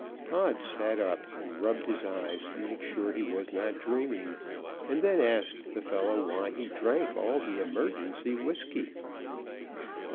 Pod sat up and rubbed his eyes to make sure he was not dreaming, and then asked the fellow why he drank all the emergency whiskey.